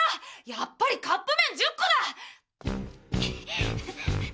やっぱりカップ麺１０個だ！